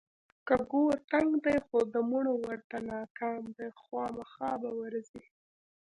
که ګور تنګ دی خو د مړو ورته ناکام دی، خوامخا به ورځي.